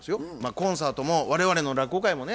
コンサートも我々の落語会もね